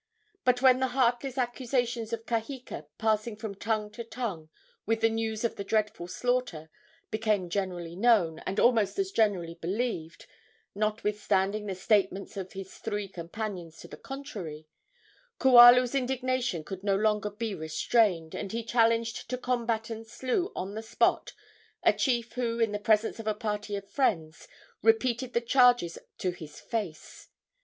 But when the heartless accusations of Kaheka, passing from tongue to tongue with the news of the dreadful slaughter, became generally known, and almost as generally believed, notwithstanding the statements of his three companions to the contrary, Kualu's indignation could no longer be restrained, and he challenged to combat and slew on the spot a chief who, in the presence of a party of friends, repeated the charges to his face.